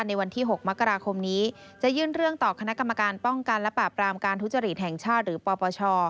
ในวันที่๖มกราคมนี้จะยื่นเรื่องต่อคณะกรรมการป้องกันและปราบรามการทุจริตแห่งชาติหรือปปช